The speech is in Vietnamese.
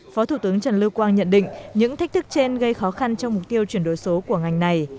phó thủ tướng trần lưu quang nhận định những thách thức trên gây khó khăn trong mục tiêu chuyển đổi số của ngành này